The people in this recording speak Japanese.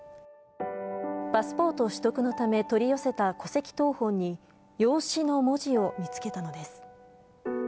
パスポート取得のため取り寄せた戸籍謄本に、養子の文字を見つけたのです。